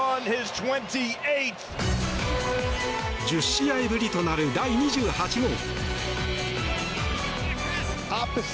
１０試合ぶりとなる第２８号。